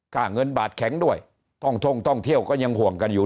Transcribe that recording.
ค่าเงินบาทแข็งด้วยท่องท่งท่องเที่ยวก็ยังห่วงกันอยู่